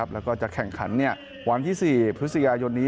แล้วก็จะแข่งขันวันที่๔พยนี้